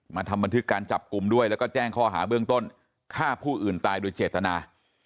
ทำบันทึกการจับกลุ่มด้วยแล้วก็แจ้งข้อหาเบื้องต้นฆ่าผู้อื่นตายโดยเจตนา